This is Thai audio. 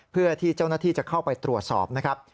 เพื่อที่เจ้าหน้าที่จะเข้าไปตรวจสอบนะครับ